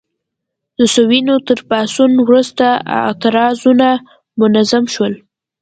د سووېتو تر پاڅون وروسته اعتراضونه منظم شول.